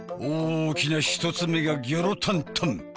大きな一つ目がギョロタンタン！